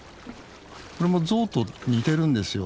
これもゾウと似てるんですよ。